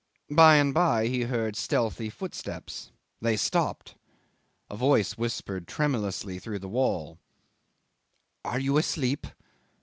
By and by he heard stealthy footsteps. They stopped. A voice whispered tremulously through the wall, "Are you asleep?"